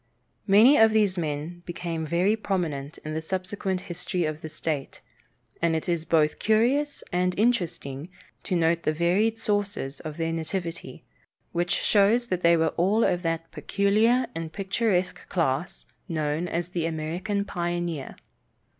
Many of these men became very prominent in the subsequent history of the state, and it is both curious and interesting to note the varied sources of their nativity, which shows that they were all of that peculiar and picturesque class known as the American pioneer.